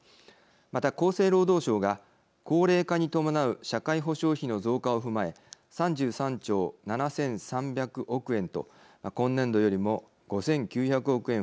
また厚生労働省が高齢化に伴う社会保障費の増加を踏まえ３３兆７，３００億円と今年度よりも５，９００億円増えています。